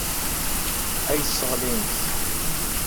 Ad iyi-sseɣlint.